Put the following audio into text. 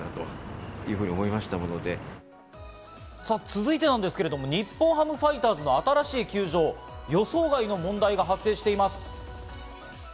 続いてなんですけれども、日本ハムファイターズの新しい球場、予想外の問題が発生しています。